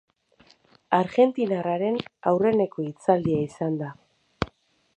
Argentinarraren aurreneko hitzaldia izan da.